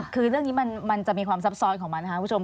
คือเรื่องนี้มันจะมีความซับซ้อนของมันนะครับคุณผู้ชม